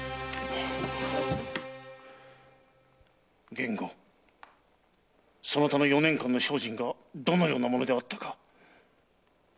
源吾そなたの四年間の精進がどのようなものであったか余はわかっておるぞ。